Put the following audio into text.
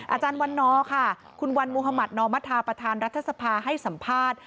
อาจารย์วันนอร์ค่ะคุณวันมุธมัธนอมธาประธานรัฐสภาให้สัมภาษณ์